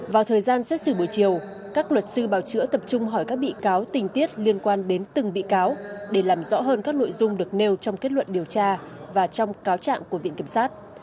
vào thời gian xét xử buổi chiều các luật sư bảo chữa tập trung hỏi các bị cáo tình tiết liên quan đến từng bị cáo để làm rõ hơn các nội dung được nêu trong kết luận điều tra và trong cáo trạng của viện kiểm sát